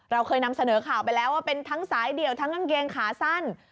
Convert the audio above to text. เราเคยนำเสนอข่าวไปแล้วว่าเป็นทั้งสายเดี่ยวทั้งกางเกงขาสั้น